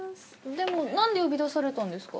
でもなんで呼び出されたんですか？